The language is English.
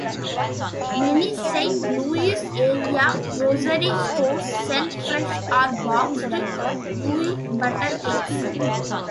Many Saint Louis area grocery stores sell fresh or boxed gooey butter cakes.